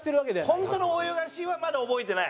本当の泳がしはまだ覚えてない？